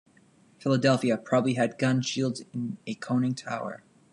"Philadelphia" probably had gun shields and a conning tower.